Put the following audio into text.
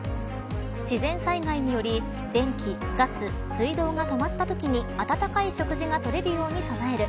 自然災害により電気、ガス、水道が止まったときに温かい食事が取れるように備える。